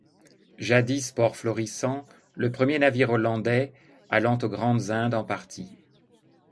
Jadis port florissant, le premier navire hollandais allant aux Grandes-Indes en partit.